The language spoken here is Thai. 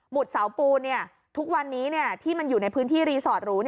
เสาปูนทุกวันนี้ที่มันอยู่ในพื้นที่รีสอร์ตหรู